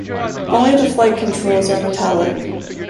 Only the flight controls are metallic.